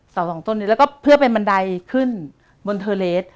สองต้นนี้แล้วก็เพื่อเป็นบันไดขึ้นบนเทอร์เลส